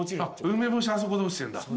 梅干しあそこで落ちてるんだ。